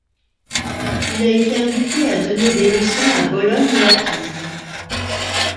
Il a été invité à donner des leçons à Bologne et à Pise.